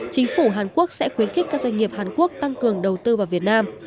chính phủ hàn quốc sẽ khuyến khích các doanh nghiệp hàn quốc tăng cường đầu tư vào việt nam